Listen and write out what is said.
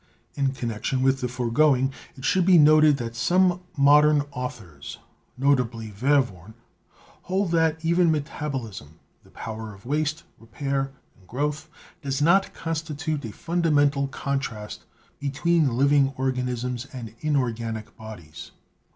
In connection with the foregoing it should be noted that some modern authors, notably Verworn, hold that even metabolism (the power of waste, repair and growth) does not constitute a fundamental contrast between living organisms and inorganic bodies.